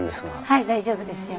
はい大丈夫ですよ。